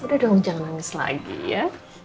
udah dong jangan nangis lagi ya